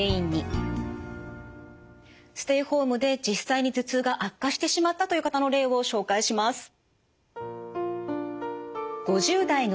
ステイホームで実際に頭痛が悪化してしまったという方の例を紹介します。